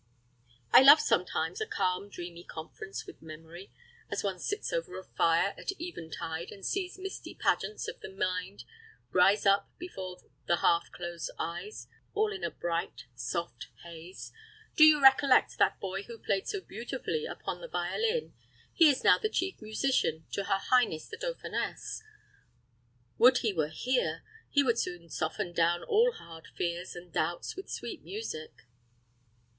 I love sometimes a calm, dreamy conference with memory as one sits over a fire at eventide, and sees misty pageants of the mind rise up before the half closed eyes, all in a bright, soft haze. Do you recollect that boy who played so beautifully upon the violin? He is now the chief musician to her highness the dauphiness. Would he were here: he would soon soften down all hard fears and doubts with sweet music."